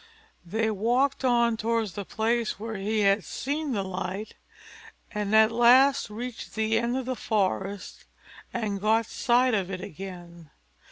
They walked on towards the place where he had seen the light, and at last reached the end of the forest, and got sight of it again.